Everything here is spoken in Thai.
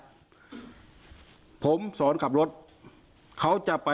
คุณประสิทธิ์ทราบรึเปล่าคะว่า